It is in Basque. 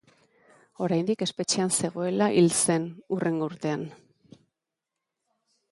Oraindik espetxean zegoela hil zen, hurrengo urtean.